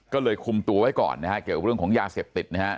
ก็เลยคุมตัวไว้ก่อนนะฮะเกี่ยวกับเรื่องของยาเสพติดนะฮะ